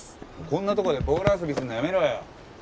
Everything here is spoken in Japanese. こんなとこでボール遊びするのやめろよ。